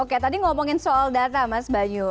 oke tadi ngomongin soal data mas banyu